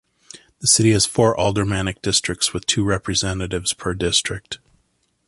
The city has four aldermanic districts with two representatives per district.